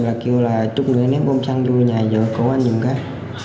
có nhà em kêu là chúc người ném bom xăng vô nhà giữa công an giùm các